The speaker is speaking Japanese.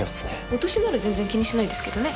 私なら全然気にしないですけどね